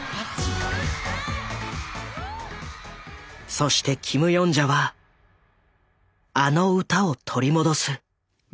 そしてキム・ヨンジャはあの歌を取り戻す。